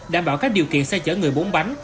đảm bảo các điều kiện xe chở người bốn bánh